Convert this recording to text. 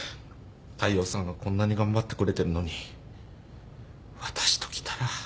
大陽さんがこんなに頑張ってくれてるのに私ときたら。